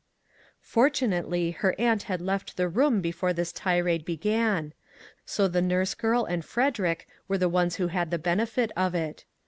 Fortunately her aunt had left the room be fore this tirade began; so the nurse girl and Frederick were the ones who had the benefit of it.